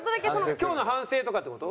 今日の反省とかって事？